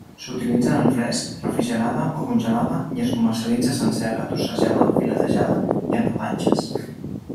S'utilitza en fresc, refrigerada o congelada i es comercialitza sencera, trossejada, filetejada i en rodanxes.